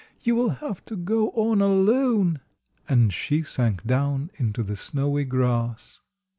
You will have to go on alone," and she sank down into the snowy grass.